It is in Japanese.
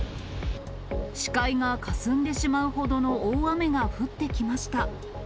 視界がかすんでしまうほどの大雨が降ってきました。